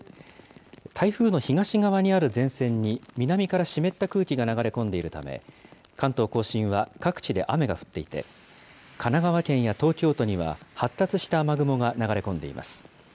台風の東側にある前線に南から湿った空気が流れ込んでいるため、関東甲信は各地で雨が降っていて、神奈川県や東京都には、発達した雨雲が流れ込んでいます。